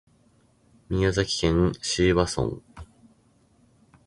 宮崎県椎葉村